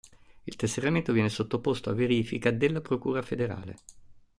Il tesseramento viene sottoposto a verifica della procura federale.